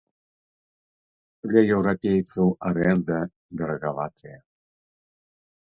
Для еўрапейцаў арэнда дарагаватая.